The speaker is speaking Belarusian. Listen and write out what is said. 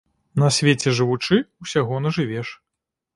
На свеце жывучы, усяго нажывеш.